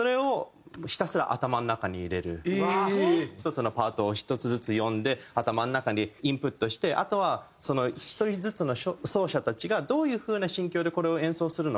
１つのパートを１つずつ読んで頭の中にインプットしてあとは１人ずつの奏者たちがどういう風な心境でこれを演奏するのか。